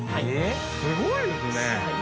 すごいですね。